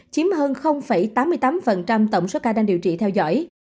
chiếm hơn tám mươi tám tổng số ca đang điều trị theo dõi